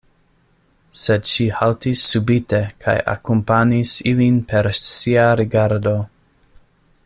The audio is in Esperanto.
Sed ŝi haltis subite kaj akompanis ilin per sia rigardo.